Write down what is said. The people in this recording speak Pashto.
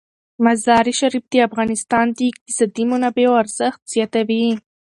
مزارشریف د افغانستان د اقتصادي منابعو ارزښت زیاتوي.